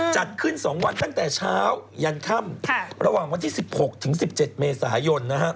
จัดขึ้น๒วันตั้งแต่เช้ายันค่ำระหว่างวันที่๑๖ถึง๑๗เมษายน